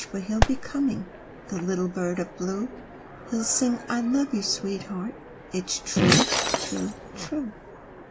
for he'll be coming, The little bird of blue; He'll sing, "I love you, Sweetheart, It's true, true, true!"